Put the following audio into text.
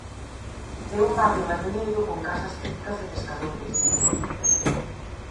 É un barrio mariñeiro con casas típicas de pescadores.